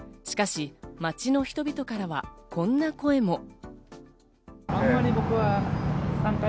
しかし街の人々からはこんな声も。